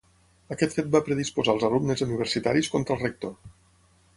Aquest fet va predisposar als alumnes universitaris contra el rector.